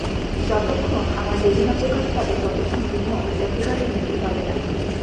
যতক্ষণ আমার বেদনা প্রকাশ পাবে ততক্ষণ বিমল একেবারে মুক্তি পাবে না।